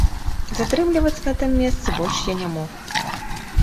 Затрымлівацца на тым месцы больш я не мог.